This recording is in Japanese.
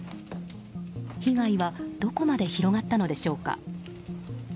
被害はどこまで広がったのでしょうか。